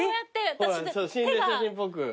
心霊写真っぽく。